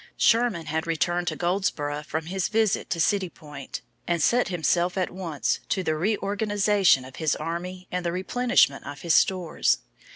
Sherman had returned to Goldsboro from his visit to City Point, and set himself at once to the reorganization of his army and the replenishment of his stores.